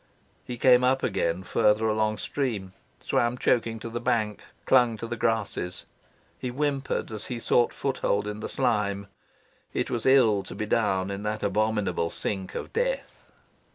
He came up again further along stream, swam choking to the bank, clung to the grasses. He whimpered as he sought foot hold in the slime. It was ill to be down in that abominable sink of death.